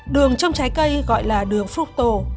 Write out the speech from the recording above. đường trong trái cây gọi là đường fructo